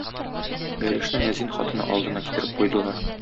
Бәлешне мәзин хатыны алдына китереп куйдылар.